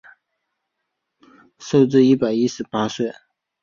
寿至一百一十八岁。